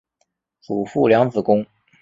祖父梁子恭。